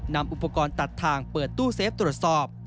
นำอุปกรณ์ตัดทางเปิดตู้เซฟตรวจสอบ